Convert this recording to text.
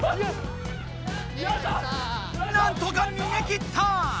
なんとかにげきった！